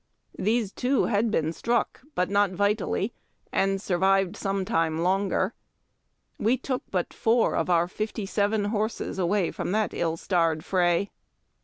These two had been struck but not vitally, and survived some time longer. We took but four of our fifty seven horses from that ill starred fray.